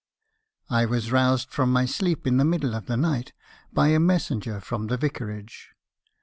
"I was roused from my sleep in the middle of the night by a messenger from the vicarage.